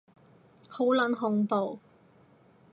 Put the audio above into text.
好撚恐怖